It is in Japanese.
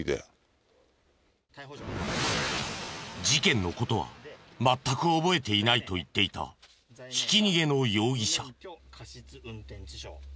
事件の事は全く覚えていないと言っていたひき逃げの容疑者。